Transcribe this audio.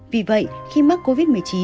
vì vậy khi mắc covid một mươi chín